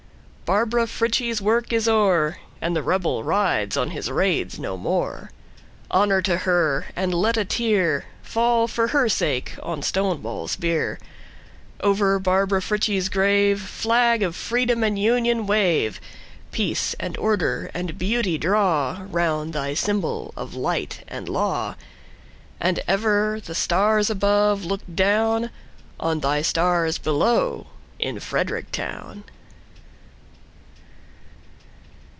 Barbara Frietchie's work is o'er, And the Rebel rides on his raids no more. Honor to her! and let a tearFall, for her sake, on Stonewall's bier. Over Barbara Frietchie's grave, Flag of Freedom and Union, wave! Peace and order and beauty drawRound thy symbol of light and law; And ever the stars above look downOn thy stars below in Frederick town!